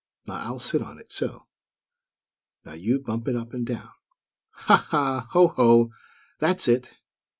Now I'll sit on it, so. Now you bump it up and down. Ha, ha! Ho, ho! That's it!